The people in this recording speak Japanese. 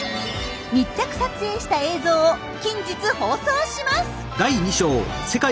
密着撮影した映像を近日放送します！